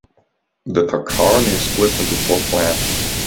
The Tarkani is split into four clans.